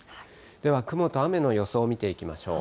では雲と雨の予想見ていきましょう。